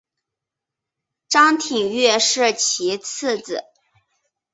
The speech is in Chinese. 张廷玉是其次子。